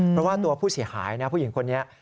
เพราะว่าตัวผู้เสียหายนะผู้หญิงคนนี้